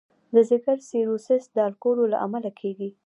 د ځګر سیروسس د الکولو له امله کېږي.